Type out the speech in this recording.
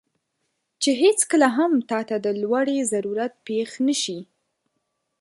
چې هیڅکله هم تاته د لوړې ضرورت پېښ نه شي،